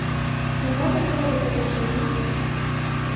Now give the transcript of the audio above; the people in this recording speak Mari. Мы можем говорить о прощении?